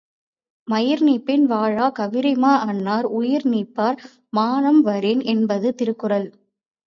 மயிர்நீப்பின் வாழாக் கவரிமா அன்னார் உயிர்நீப்பர் மானம் வரின் என்பது திருக்குறள்.